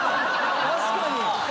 確かに！